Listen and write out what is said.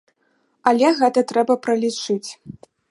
Але гэта трэба пралічыць.